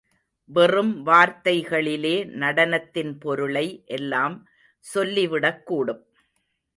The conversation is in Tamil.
வெறும் வார்த்தைகளிலே நடனத்தின் பொருளை எல்லாம் சொல்லி விடக் கூடும்.